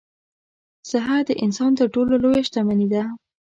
صحه د انسان تر ټولو لویه شتمني ده.